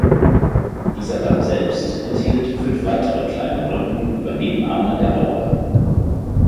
Dieser Damm selbst enthielt fünf weitere kleine Brücken über Nebenarme der Aube.